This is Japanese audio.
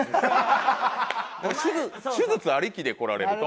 手術ありきで来られると。